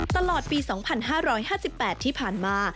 ตลอดปี๒๕๕๘ที่ผ่านมา